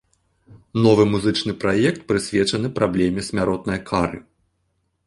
Новы музычны праект прысвечаны праблеме смяротнай кары.